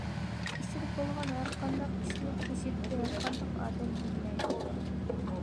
ئىچىدە بولغان ھەر قانداق ئىشنى تېشىدىكى ھەر قانداق ئادەم بىلمەيدۇ.